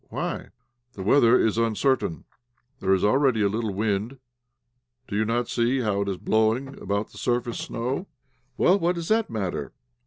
"Why?" "The weather is uncertain. There is already a little wind. Do you not see how it is blowing about the surface snow." "Well, what does that matter?"